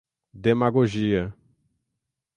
demagogia